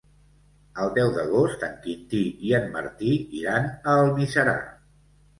El deu d'agost en Quintí i en Martí iran a Almiserà.